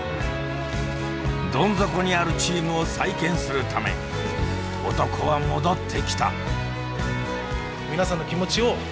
どん底にあるチームを再建するため男は戻ってきた。